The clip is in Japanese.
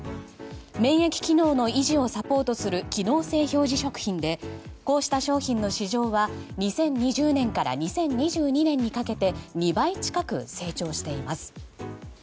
免疫機能の維持をサポートする機能性表示食品でこうした商品の市場は２０２０年から２０２２年にかけて２倍近く成長しています。